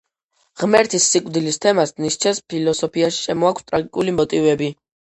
ღმერთის სიკვდილის თემას ნიცშეს ფილოსოფიაში შემოაქვს ტრაგიკული მოტივები.